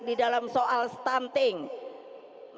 di dalam soal statisik